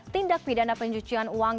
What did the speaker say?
tindak pidana pencucian uang